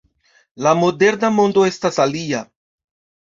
La moderna mondo estas alia.